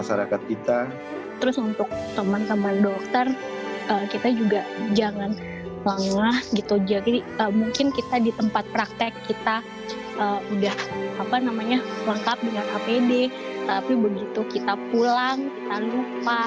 jadi ini semua berlaku untuk semua nggak cuma untuk masyarakat untuk dokter juga semua